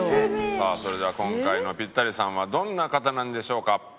さあそれでは今回のピッタリさんはどんな方なんでしょうか？